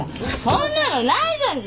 そんなのないじゃん。